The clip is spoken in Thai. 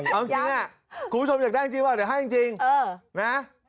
เอาจริงคุณผู้ชมอยากได้จริงป่ะเดี๋ยวให้จริงนะ